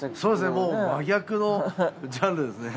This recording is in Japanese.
もう真逆のジャンルですね。